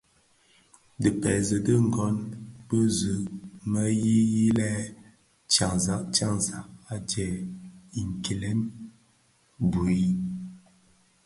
Dhi pezi dhigōn bi zi mě yilè yilen tyanzak tyañzak a djee a kilèn, bhui,